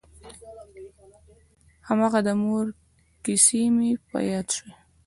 هماغه د مور کيسې مې په ياد شوې.